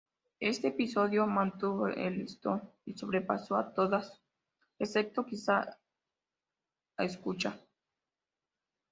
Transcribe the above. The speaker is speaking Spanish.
Este episodio... mantuvo el listón y sobrepasó a todas excepto quizá a "Escucha"".